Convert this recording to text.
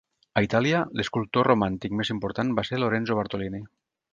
A Itàlia, l'escultor romàntic més important va ser Lorenzo Bartolini.